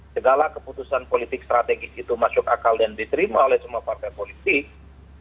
segala keputusan politik strategis itu masuk akal dan diterima oleh semua partai politik